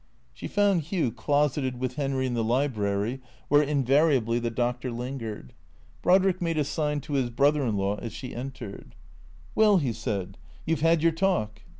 She found Hugh closeted with Henry in the library where invariably the doctor lingered. Brodrick made a sign to his brother in law as she entered. " Well," he said, " you 've had your talk."